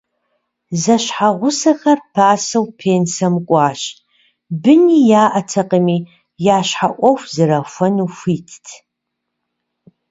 Зэщхьэгъусэхэр пасэу пенсэм кӏуащ, быни яӏэтэкъыми, я щхьэ ӏуэху зэрахуэну хуитт.